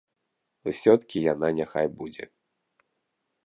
Усё-ткі яна няхай будзе.